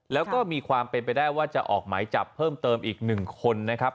แล้วก็มีความเป็นไปได้ว่าจะออกหมายจับเพิ่มเติมอีก๑คนนะครับ